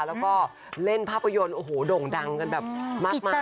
แล้วก็เล่นภาพยนตร์โอ้โหโด่งดังกันแบบมากมาย